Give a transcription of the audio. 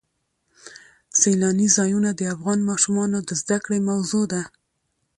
سیلاني ځایونه د افغان ماشومانو د زده کړې موضوع ده.